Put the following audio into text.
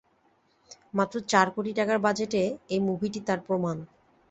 মাত্র চার কোটি টাকার বাজেটে এই মুভিটি তার প্রমাণ।